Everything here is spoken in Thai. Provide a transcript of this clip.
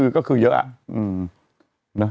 ก็เยอะอะ